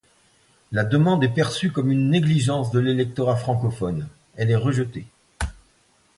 La demande est perçue comme une négligence de l’électorat francophone; elle est rejetée.